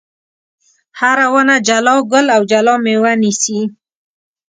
هره ونه جلا ګل او جلا مېوه نیسي.